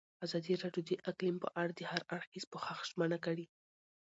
ازادي راډیو د اقلیم په اړه د هر اړخیز پوښښ ژمنه کړې.